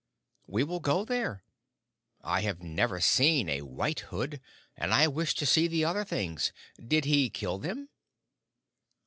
"We will go there. I have never seen a White Hood, and I wish to see the other things. Did he kill them?"